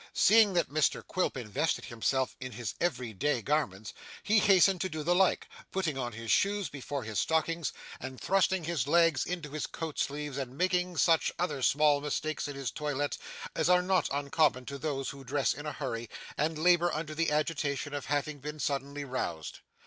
Seeing that Mr Quilp invested himself in his every day garments, he hastened to do the like, putting on his shoes before his stockings, and thrusting his legs into his coat sleeves, and making such other small mistakes in his toilet as are not uncommon to those who dress in a hurry, and labour under the agitation of having been suddenly roused.